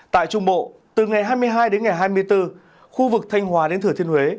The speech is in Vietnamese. tại trung bộ từ ngày hai mươi hai đến ngày hai mươi bốn khu vực thanh hòa đến thừa thiên huế